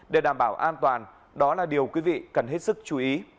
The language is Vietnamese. để đảm bảo an toàn đó là điều quý vị cần hết sức chú ý